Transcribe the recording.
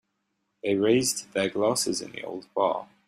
They raised their glasses in the old bar.